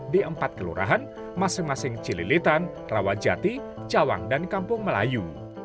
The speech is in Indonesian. di empat kelurahan masing masing cililitan rawajati cawang dan kampung melayu